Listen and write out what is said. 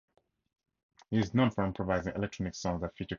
He is known for improvising electronic songs that feature comical lyrics.